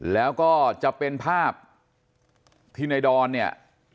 แล้วก็จะเป็นภาพที่ในดอนเนี่ย